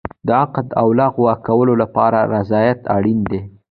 د عقد او لغوه کولو لپاره رضایت اړین دی.